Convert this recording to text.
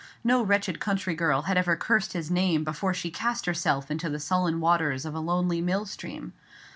No wretched country girl had ever cursed his name before she cast herself into the sullen waters of a lonely mill stream.